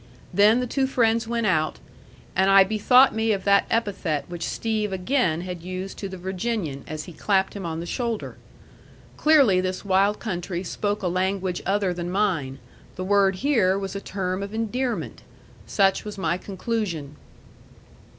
Then the two friends went out, and I bethought me of that epithet which Steve again had used to the Virginian as he clapped him on the shoulder. Clearly this wild country spoke a language other than mine the word here was a term of endearment. Such was my conclusion.